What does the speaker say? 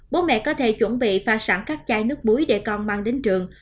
bố mẹ có thể chuẩn bị pha sẵn các chai nước muối để con mang đến trường